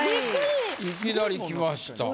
いきなりきました。